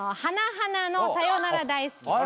＊花の「さよなら大好きな人」